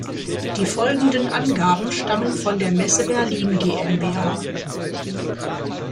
Die folgenden Angaben stammen von der Messe Berlin GmbH.